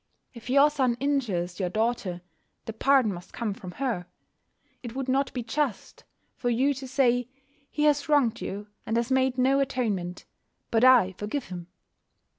If your son injure your daughter, the pardon must come from her. It would not be just for you to say: "He has wronged you, and has made no atonement, but I forgive him."